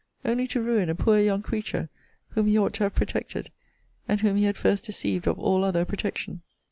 Only to ruin a poor young creature, whom he ought to have protected; and whom he had first deceived of all other protection!